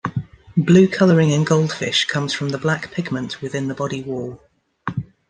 Blue colouring in goldfish comes from black pigment within the body wall.